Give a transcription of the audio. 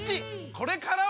これからは！